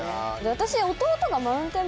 私。